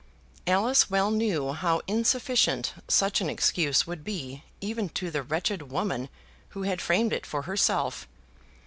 Alice well knew how insufficient such an excuse would be even to the wretched woman who had framed it for herself.